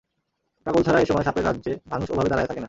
পাগল ছাড়া এসময় সাপের রাজ্যে মানুষ ওভাবে দাড়াইয়া থাকে না।